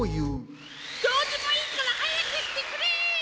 どうでもいいからはやくしてくれ！